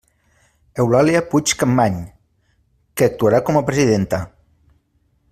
Eulàlia Puig Campmany, que actuarà com a presidenta.